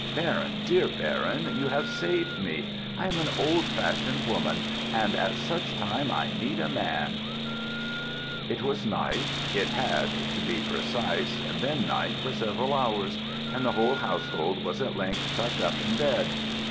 Baron, dear Baron, you have saved me. I am an old fashioned woman, and at such a time I need a man...." It was night. It had, to be precise, been night for several hours, and the whole household was at length tucked up in bed.